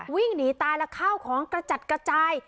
วิ่งหนีตายแล้วข้าวของกระจัดกระจาย